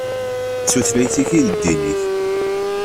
D tutlayt-ik i d ddin-ik.